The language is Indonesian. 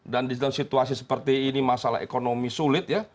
dan dalam situasi seperti ini masalah ekonomi sulit ya